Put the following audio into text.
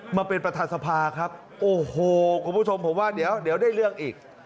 มาเป็นประธานสภาครับโอ้โหคุณผู้ชมผมว่าเดี๋ยวได้เรื่องอีก